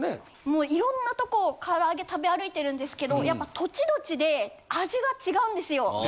もういろんなとこを唐揚げ食べ歩いてるんですけどやっぱ土地土地で味が違うんですよ。